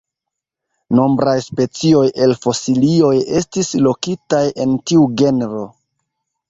Nombraj specioj el fosilioj estis lokitaj en tiu genro.